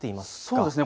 そうですね。